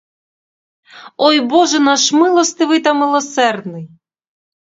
Ой боже наш милостивий та милосердний!